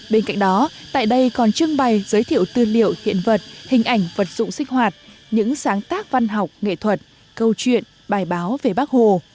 bên cạnh đó tại đây còn trưng bày giới thiệu tư liệu hiện vật hình ảnh vật dụng sinh hoạt những sáng tác văn học nghệ thuật câu chuyện bài báo về bác hồ